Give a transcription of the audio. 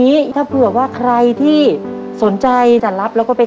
ระทับรับตรงไหนเช่นแบบไหน